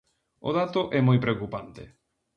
O dato é moi preocupante.